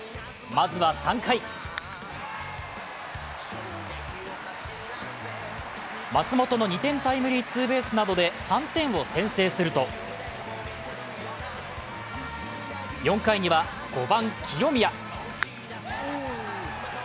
まずは３回、松本の２点タイムリーツーベースなどで３点を先制すると４回には５番・清宮。